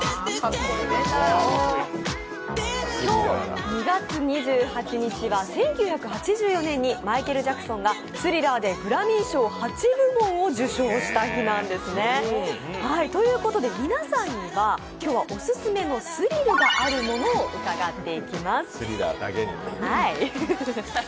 今日２月２８日は１９８４年にマイケル・ジャクソンが「スリラー」でグラミー賞８部門を受賞した日なんですね。ということで皆さんには今日はオススメのスリルのあるものを伺っていきます。